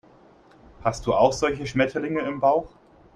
Hast du auch solche Schmetterlinge im Bauch?